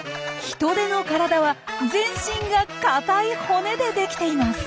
ヒトデの体は全身が硬い骨で出来ています。